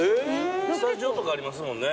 スタジオとかありますもんね。